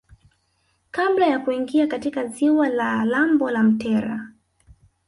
kabla ya kuingia katika ziwa la lambo la Mtera